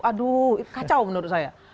aduh kacau menurut saya